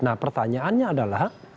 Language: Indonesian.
nah pertanyaannya adalah